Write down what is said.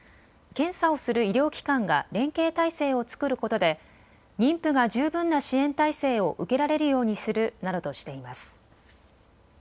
検査をする医療機関が連携体制を作ることで妊婦が十分な支援体制を受けられるようにするなどとしています。